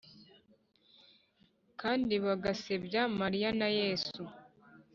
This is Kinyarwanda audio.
kandi bagasebya mariya na yesu